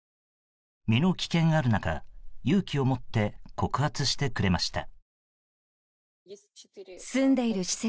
身の危険がある中、勇気を持って告発してくれました。